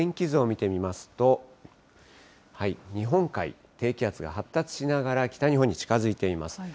さあ、天気図を見てみますと、日本海、低気圧が発達しながら北日本に近づいています。